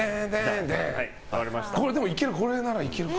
これならいけるか。